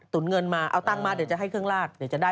เงินมาเอาตังค์มาเดี๋ยวจะให้เครื่องลาดเดี๋ยวจะได้